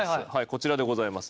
こちらでございます。